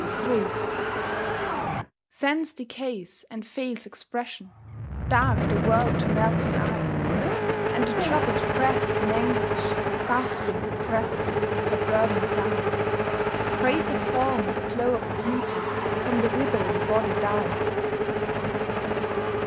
III Sense decays, and fails expression; Dark the world to melting eye; And the troubled breast in anguish, Gasping, breathes her burdened sigh; Grace of form and glow of beauty, From the withering body die.